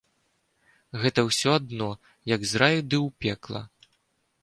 Гэта ўсё адно, як з раю ды ў пекла.